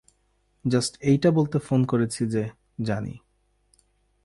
Just এইটা বলতে phone করেছি যে, জানি।